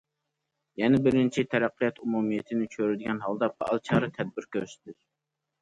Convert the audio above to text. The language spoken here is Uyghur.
يەنى، بىرىنچى، تەرەققىيات ئومۇمىيىتىنى چۆرىدىگەن ھالدا پائال چارە- تەدبىر كۆرسىتىش.